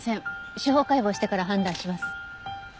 司法解剖してから判断します。